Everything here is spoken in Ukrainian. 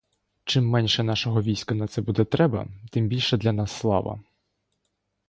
Чим менше нашого війська на це буде треба, тим більша для нас слава.